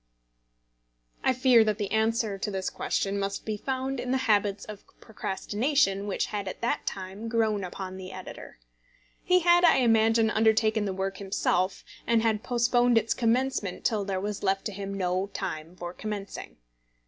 I fear that the answer to this question must be found in the habits of procrastination which had at that time grown upon the editor. He had, I imagine, undertaken the work himself, and had postponed its commencement till there was left to him no time for commencing.